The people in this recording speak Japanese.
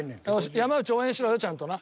山内応援しろよちゃんとな。